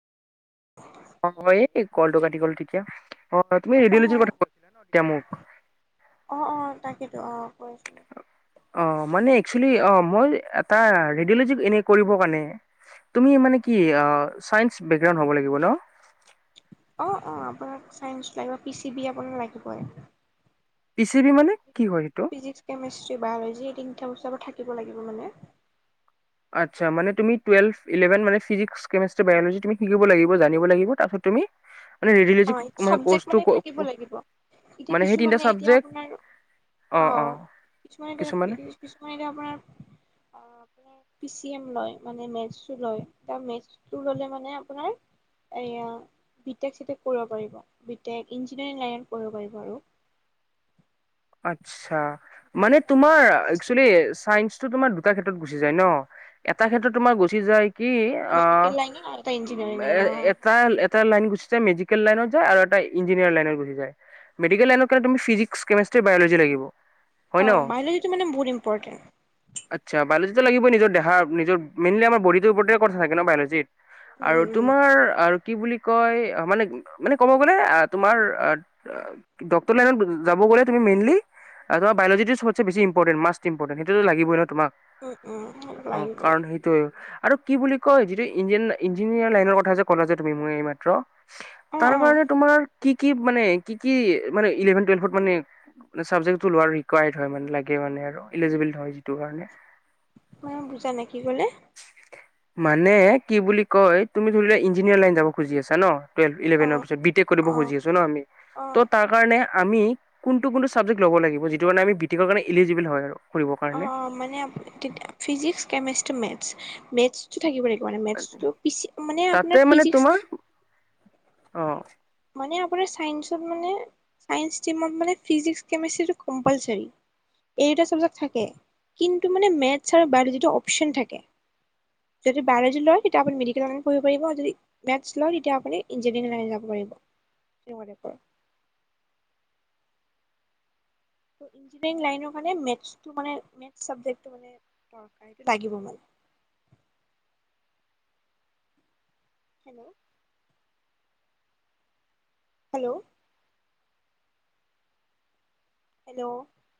অ [unintelligible] কলটো কাটি কল তেতিয়া অ তুমি অ', ৰেডিঅলজিৰ কথা কৈছিলা ন তেতিয়া মোক। অঁ কয় আছিলোঁ। অ মানে একচলি অ মই এটা ৰেডঅ'লজিক এনে কৰিবৰ কাৰণে তুমি মানে কি অ চাইন্স বেকগ্ৰাউণ্ড হ'ব লাগিব ন? অ অ আপোনাক চাইন্স লাগিব। পি চি বি আপোনাক লাগিবই। পি চি বি মানে কি হয় সেইটো ফিজিকস, কেমেষ্ট্ৰি, বায়লজি এই তিনটা বস্তু আমাৰ থাক থাকিব লাগিব মানে। আচ্ছা মানে তুমি টুৱেলভ ইলেভেন মানে ফিজিক্স, কেমেষ্টি, বায়লজি তুমি শিকিব লাগিব জানিব লাগিব। তাপিছত তুমি মানে অ ৰেডিঅ'লজি চাবজেক্ট কৰ্চটো মানে থাকিব লাগিব। এতিয়া মানে সেই তিনিটা কিছুমানে এতিয়া চাবজেক্ট আপোনাৰ অ কিছুমান কিছুমানে এতিয়া কিছুমান এতিয়া আপোনাৰ অ মানে পি চি এম লয় মানে মেটচও লয়। তাও মেচটোৰ ললে মানে আপোনাৰ এয়া বিতেক চিতেক কৰিব পাৰিব। বি টেক, ইঞ্জিনিয়াৰিং লাইনত পঢ়িব পাৰিব আৰু। আচ্ছা এতিয়া মানে তেনেকেইটা মোৰ তোমাৰ মেথছ একচলি চায়েঞ্চ তোমাৰ দুটা ক্ষেত্ৰত গুচি যায় ন। এটা ক্ষেত্ৰত তোমাৰ গুচি যায়। কি অ মেডিকেল লাইনত আৰু এটা উম ইঞ্জিনিয়াৰিং অ', এটা এটা লাইন গুচিছে মেজিক কেল লাইনত জা আৰু এটা ইঞ্জিনিয়াৰ লাইনত গুছি যায়। মেডিকেল লাইনত গলে তুমি ফিজিক্স, কেমেষ্টি। বায়লজি লাগিব। অ', বায়োলজিটো মানে বহুত ইম্পৰ্টেণ্ট আচ্ছা', বায়োলজিটো লাগিব নিজৰ দেহ নিজৰ মেইনলি আমাৰ বডিটোৰ ওপতেৰে কথা থাকে ন বায়োলজিত আৰু উম, তোমাৰ আৰু কি বুলি? কয়', অ', মানে মানে ক'ব গ'লে তোমাৰ অ', ডক্টৰ লাইনত যাব গ'লে তুমি মেইনলি অ', বায়োলজিটো চবছে বেছি ইম্পৰ্টেণ্ট মাষ্ট ইম্পৰ্টেণ্ট সেটোত লাগিবই ন তোমাক উম, উম, উম, অ লাগিবই কাৰণ সেইটোয়ে অ', আৰু কি বুলি কয় যিটো ই ইঞ্জিনিয়াৰ লাইনৰ কথা যে ক'লা যে তুমি মই এই মাত্ৰ অ', তাৰ অ', কাৰণে তোমাৰ কি, কি, মানে কি, কি, মানে ইলেভেন টুয়েলভত মানে চাবজেক্টটো লোৱাৰ ৰিকুৱাইৰ্ড হয় মানে লাগে মানে আৰু ইলিজিবল ধৰ হয় যিটো কাৰণে মই বুজা নাই, কি কলি? মানে কি বুলি কয়, তুমি ধৰি লোৱা ইঞ্জিনিয়াৰ লাইন যাব খুজি আছা ন? টুয়েলভ ইলেভেনৰ অ', পিছত বি টেক কৰিব অ', খুজি আছোঁ ন আমি, ত অ', তাৰ কাৰণে আমি কোনটো কোনটো চাবজেক্ট ল'ব লাগ যটো কাৰণে আমি বি টেক কৰ কাৰণে ইলিজিবল হয় আৰু কৰিবৰ কাৰণে অ', মানে ফিজিক্স, কেমেষ্ট্ৰি, মেথছ, মেথছটো থাকিবৈ মেথছটো পিছে মানে আপোনাৰ ফিজিক্স আহঁ', মানে আপোনাৰ চাইন্সত মানে চাইন্স ষ্টমত মানে ফিজিক্স কেমেষ্ট্ৰিটো কম্পালচাৰী এই দুটা চাবজেক্ট থাকে কিন্তু মানে মেথছ আৰু বায়োলজিটো অপচন থাকে যদি বায়োলজি লয় তেতিয়া আপুনি মেডিকেল পঢ়িব পাৰিব যদি মেথছ লয় তেতিয়া আপুনি ইঞ্জিনিয়াৰিং লাইন যাব পাৰিব তেনেকুৱাতে কয় ইঞ্জিনিয়াৰিং লাইনৰ কাৰণে মেথছত মানে মেথছ চাবজেক্টটো মানে দৰকাৰী এইটো লাগিব মানে হম', হেল্ল', হেল্ল', হেল্ল, '